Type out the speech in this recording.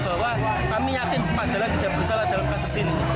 bahwa kami yakin pak dalang tidak bersalah dalam kasus ini